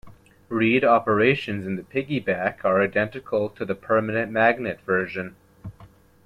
Read operations in the piggyback are identical to the permanent magnet version.